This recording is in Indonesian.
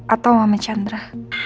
atau mama chandra